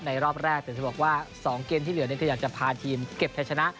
ในรอบแรกเต็มจะบอกว่า๒เกมที่เหลือนึงที่อยากจะพาทีมเก็บแท็บชนะ